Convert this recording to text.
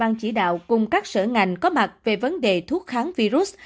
ban chỉ đạo cùng các sở ngành có mặt về vấn đề thuốc kháng virus